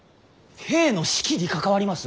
兵の士気に関わります。